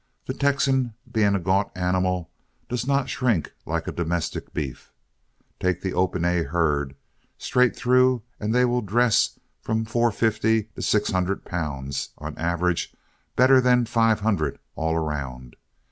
"The Texan being a gaunt animal does not shrink like a domestic beef. Take that 'Open A' herd straight through and they will dress from four fifty to six hundred pounds, or average better than five hundred all round.